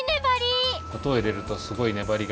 さとういれるとすごいねばりが。